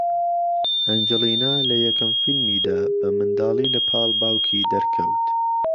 ئەنجڵینا لەیەکەم فیلمیدا بە منداڵی لەپاڵ باوکی دەرکەوت